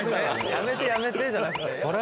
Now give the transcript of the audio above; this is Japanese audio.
「やめてやめて」じゃなくて。